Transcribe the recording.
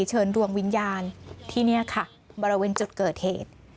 เชิญดวงวิญญาณที่นี่ค่ะบริเวณจุดเกิดเหตุ